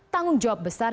tanggung jawab besar